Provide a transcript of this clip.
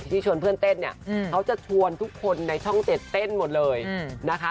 ที่ชวนเพื่อนเต้นเนี่ยเขาจะชวนทุกคนในช่อง๗เต้นหมดเลยนะคะ